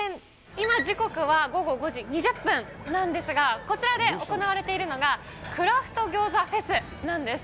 今、時刻は午後５時２０分なんですが、こちらで行われているのが、クラフト餃子フェスなんです。